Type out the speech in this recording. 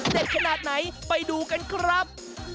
ขนาดไหนไปดูกันครับ